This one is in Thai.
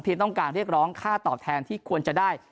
ต้องการเรียกร้องค่าตอบแทนที่ควรจะได้